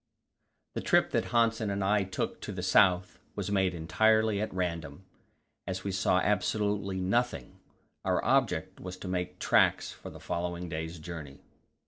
This trip that Hanssen and I took to the south was made entirely at random, as we saw absolutely nothing; our object was to make tracks for the following day's journey.